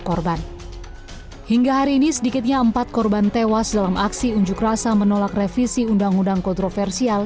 korban hingga hari ini sedikitnya empat korban tewas dalam aksi unjuk rasa menolak revisi undang undang kontroversial